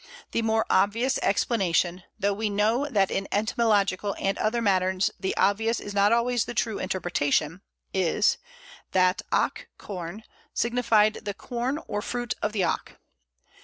The more obvious explanation (though we know that in etymological and other matters the obvious is not always the true interpretation) is, that acorn (ac corn) signified the corn or fruit of the ac.